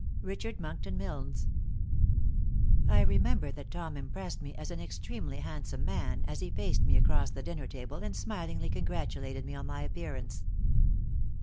Richard Monckton Milnes. I remember that Tom impressed me as an extremely handsome man, as he faced me across the dinner table and smilingly congratulated me on my appearance.